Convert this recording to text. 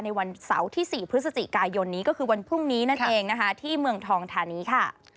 วันเสาร์ที่๔พฤศจิกายนนี้ก็คือวันพรุ่งนี้นั่นเองนะคะที่เมืองทองธานีค่ะ